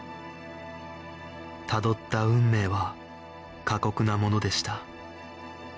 たどった運命は過酷なものでした